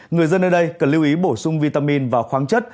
người dân nơi đây cần lưu ý bổ sung vitamin và khoáng chất